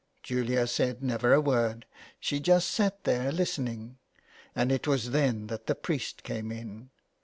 Julia said never a word, she just sat there listening, and it was then that the priest came in.